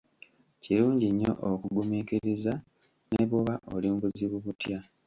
Kirungi nnyo okugumiikiriza ne bwoba oli mu buzibu butya.